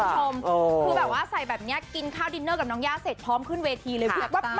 คือแบบว่าใส่แบบนี้กินข้าวดินเนอร์กับน้องย่าเสร็จพร้อมขึ้นเวทีเลย